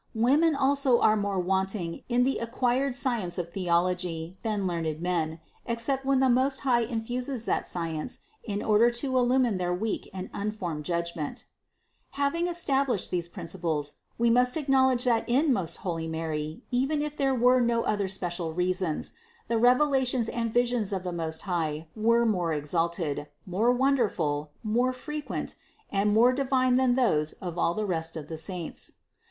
Women also are more wanting in the acquired science of theology than learned men, except when the Most High infuses that science in order to illumine their weak and uninformed judgment. 622. Having established these principles, we must acknowledge that in most holy Mary, even if there were no other special reasons, the revelations and visions of the Most High were more exalted, more wonderful, more frequent, and more divine than those of all the rest of saints.